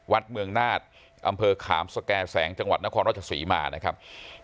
วัดเมืองนาฏอำเภอขามสแก่แสงจังหวัดนครราชศรีมานะครับ